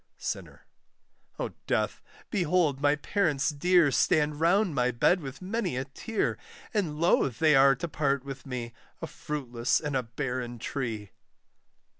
SINNER. O Death; behold my parents dear Stand round my bed with many a tear, And loath they are to part with me, A fruitless and a barren tree.